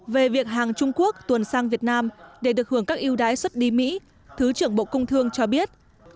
về việc hàng trung quốc tuần sang việt nam để được hưởng các yêu đái xuất đi mỹ thứ trưởng bộ công thương cho biết